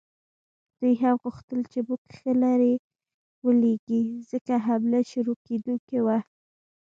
دوی هم غوښتل چې موږ ښه لرې ولیږي، ځکه حمله شروع کېدونکې وه.